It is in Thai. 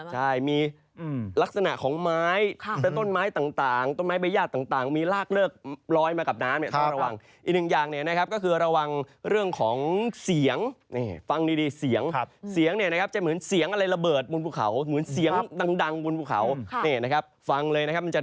ใช่มีลักษณะของไม้ต้นไม้ต่างต้นไม้บัญญาตร